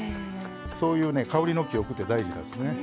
そういう香りの記憶って大事ですね。